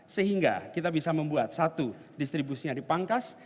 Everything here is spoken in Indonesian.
sehingga kita bisa membuat satu distribusinya dipangkas